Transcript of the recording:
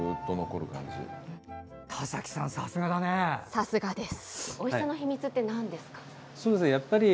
さすがです。